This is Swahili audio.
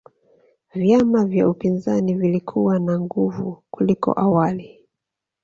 vyama vya upinzani vilikuwa na nguvu kuliko awali